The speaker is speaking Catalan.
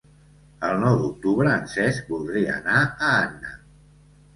El nou d'octubre en Cesc voldria anar a Anna.